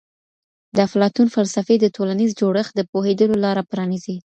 د افلاطون فلسفې د ټولنیز جوړښت د پوهېدلو لاره پرانیزي.